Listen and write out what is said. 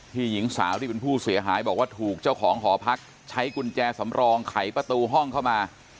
หญิงสาวที่เป็นผู้เสียหายบอกว่าถูกเจ้าของหอพักใช้กุญแจสำรองไขประตูห้องเข้ามา